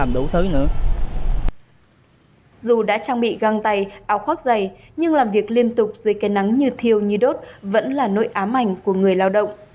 dù đã trang bị găng tay áo khoác giày nhưng làm việc liên tục dưới cây nắng như thiêu như đốt vẫn là nỗi ám ảnh của người lao động